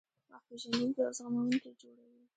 وخت پېژندونکي او زغموونکي یې جوړوي.